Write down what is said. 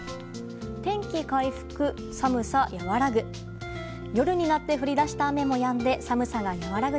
天気回復、寒さ和らぐ。